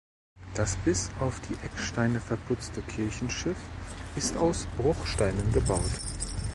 Das bis auf die Ecksteine verputzte Kirchenschiff ist aus Bruchsteinen gebaut.